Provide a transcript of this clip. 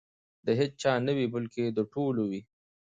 د هیچا نه وي بلکې د ټولو وي.